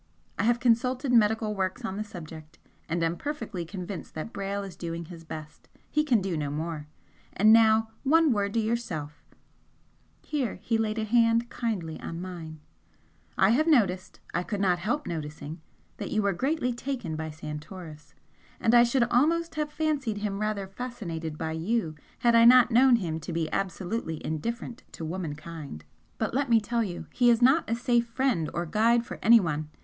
I have consulted medical works on the subject and am perfectly convinced that Brayle is doing his best. He can do no more. And now one word to yourself;" here he laid a hand kindly on mine "I have noticed I could not help noticing that you were greatly taken by Santoris and I should almost have fancied him rather fascinated by you had I not known him to be absolutely indifferent to womenkind. But let me tell you he is not a safe friend or guide for anyone.